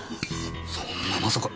そんなまさか！？